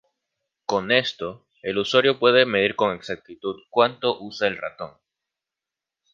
Con esto, el usuario puede medir con exactitud cuánto usa el ratón.